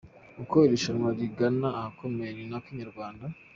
Uko iri rushanwa rigana ahakomeye ni nako Inyarwanda.